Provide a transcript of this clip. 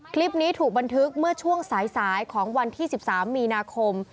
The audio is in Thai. คลิปนี้ถูกบันทึกเมื่อช่วงสายของวันที่๑๓มีนาคม